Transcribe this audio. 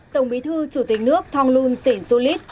tổng bí thư chủ tịch nước thong luân sĩ du lít